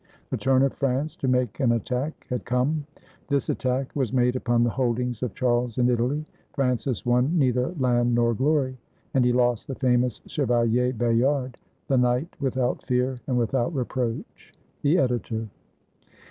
The turn of France to make an attack had come. This attack was made upon the holdings of Charles in Italy. Francis won neither land nor glory; and he lost the famous Chevalier Bayard, the knight "without fear and without reproach." The Editor.